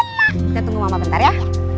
kita tunggu mama bentar ya